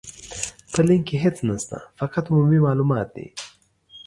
په لينک کې هيڅ نشته، فقط عمومي مالومات دي.